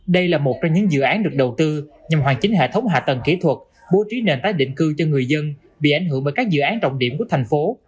đây là một trong những dự án được đầu tư nhằm hoàn chính hệ thống hạ tầng kỹ thuật bố trí nền tái định cư cho người dân bị ảnh hưởng bởi các dự án trọng điểm của thành phố